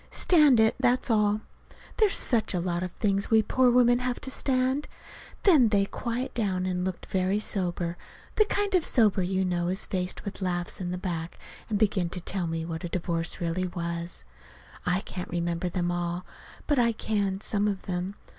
Stand it, that's all. There's such a lot of things we poor women have to stand!) Then they quieted down and looked very sober the kind of sober you know is faced with laughs in the back and began to tell me what a divorce really was. I can't remember them all, but I can some of them.